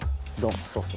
そうそう。